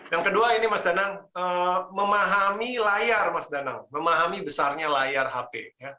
yang kedua ini mas danang memahami layar mas danang memahami besarnya layar hp